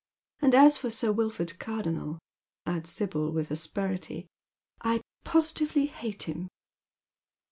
And as for Sir Wilford Cardonnel," adds Sibyl with aspeiity, " I positively hate him."